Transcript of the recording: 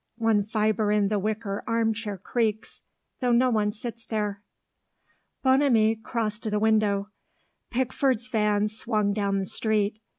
One fibre in the wicker arm chair creaks, though no one sits there. Bonamy crossed to the window. Pickford's van swung down the street.